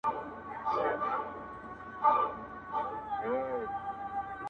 هم له غله هم داړه مار سره یې کار وو.!